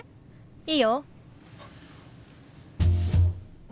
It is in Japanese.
いいよ。